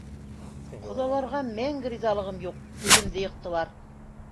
Ҡоҙаларға мәңге ризалығым юҡ, һүҙемде йыҡтылар.